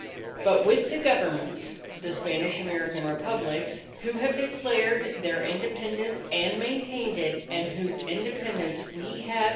_... _But with the Governments (the Spanish American Republics) who have declared their Independence and maintained it, and whose Independence we have